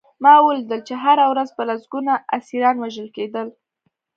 ما ولیدل چې هره ورځ به لسګونه اسیران وژل کېدل